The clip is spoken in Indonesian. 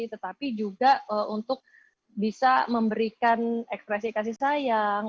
tetapi juga untuk bisa memberikan ekspresi kasih sayang